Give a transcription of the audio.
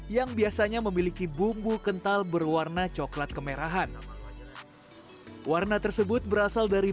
yang biasanya memiliki bumbu kental berwarna coklat kemerahan warna tersebut berasal dari